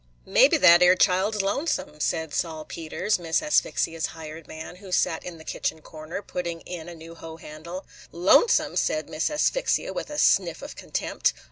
"Mebbe that 'ere child 's lonesome," said Sol Peters, Miss Asphyxia's hired man, who sat in the kitchen corner, putting in a new hoe handle. "Lonesome!" said Miss Asphyxia, with a sniff of contempt.